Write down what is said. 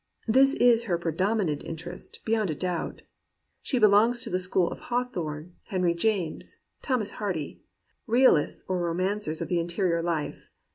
This is her predominant interest, beyond a doubt. She belongs to the school of Hawthorne, Henry James, Thomas Hardy — realists or ro mancers of the interior life.